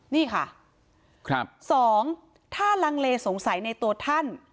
นี่ค่ะสองถ้าลังเลสงสัยในตัวท่าน